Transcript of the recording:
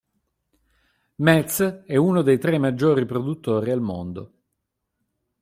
Metz è uno dei tre maggiori produttori al mondo.